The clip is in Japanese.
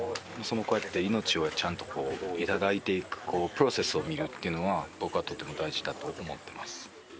こうやって命をちゃんとこういただいていくこうプロセスを見るっていうのは僕はとっても大事だと思ってます